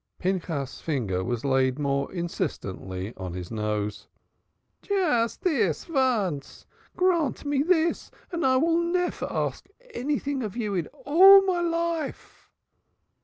Pinchas's finger was laid more insistently on his nose. "Just dis vonce. Grant me dis, and I vill nevair ask anyding of you in all my life."